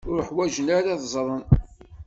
Ur ḥwajen ara ad ẓren.